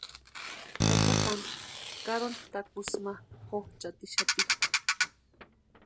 Tata Juan karoni takusï ma jonchatixati.